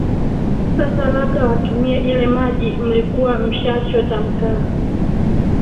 sasa labda watumie ile maji mlikuwa msha chota mkaa